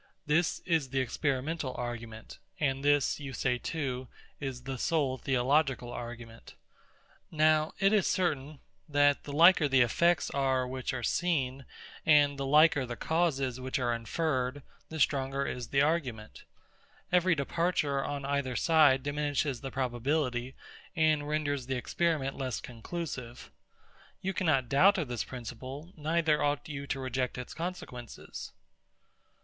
This is the experimental argument; and this, you say too, is the sole theological argument. Now, it is certain, that the liker the effects are which are seen, and the liker the causes which are inferred, the stronger is the argument. Every departure on either side diminishes the probability, and renders the experiment less conclusive. You cannot doubt of the principle; neither ought you to reject its consequences.